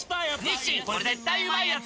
「日清これ絶対うまいやつ」